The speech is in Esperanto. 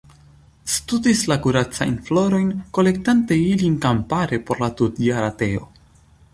Studis la kuracajn florojn, kolektante ilin kampare por la tutjara teo.